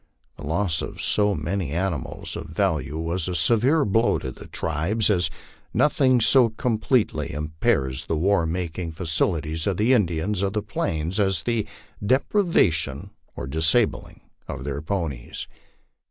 The loss of so many animals of value was a severe blow to the tribe, as nothing so completely impairs the war making facilities for the Indians of the Plains as the deprivation or disabling of their ponies.